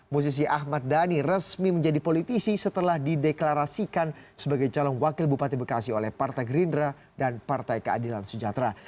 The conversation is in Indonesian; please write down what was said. musisi ahmad dhani resmi menjadi politisi setelah dideklarasikan sebagai calon wakil bupati bekasi oleh partai gerindra dan partai keadilan sejahtera